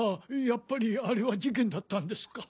やっぱりあれは事件だったんですか？